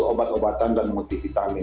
untuk obat obatan dan mengutip vitamin